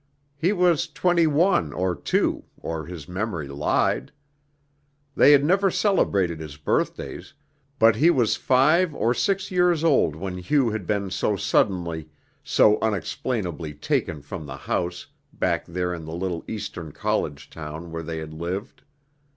He was twenty one or two or his memory lied. They had never celebrated his birthdays, but he was five or six years old when Hugh had been so suddenly, so unexplainably taken from the house, back there in the little Eastern college town where they had lived.